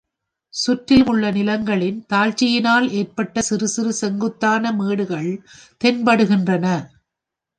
சுற்றிலுமுள்ள நிலங்களின் தாழ்ச்சியினால் ஏற்பட்ட சிறு சிறு செங்குத்தான மேடுகள் தென்படுகின்றன.